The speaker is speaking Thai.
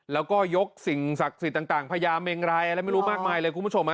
แล้วก็ยกสิ่งศักดิ์สิทธิ์ต่างพญาเมงรายอะไรไม่รู้มากมายเลยคุณผู้ชม